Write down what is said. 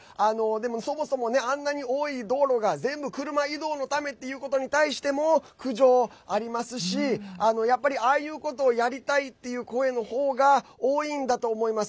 そもそも、あんなに多い道路が全部、車移動のためっていうことに対しても苦情ありますし、やっぱりああいうことをやりたいっていう声の方が多いんだと思います。